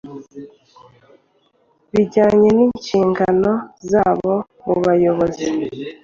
bijyanye n inshingano zabo mubayobozi